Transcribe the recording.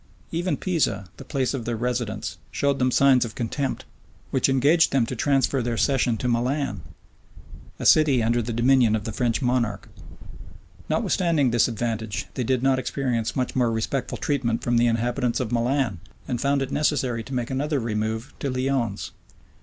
Even Pisa, the place of their residence, showed them signs of contempt; which engaged them to transfer their session to Milan, a city under the dominion of the French monarch; Notwithstanding this advantage, they did not experience much more respectful treatment from the inhabitants of Milan; and found it necessary to make another remove to Lyons.